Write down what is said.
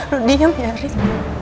lo diem ya rick